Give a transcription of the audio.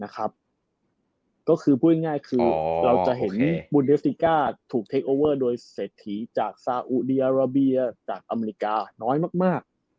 ก็คือพูดง่ายคือเราจะเห็นบุญเดสติก้าถูกเทคโอเวอร์โดยเศรษฐีจากซาอุดีอาราเบียจากอเมริกาน้อยมาก